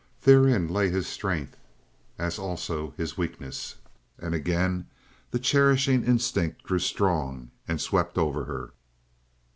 Therein lay his strength, as also his weakness, and again the cherishing instinct grew strong and swept over her.